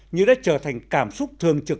như đã trở thành cảm xúc thường trực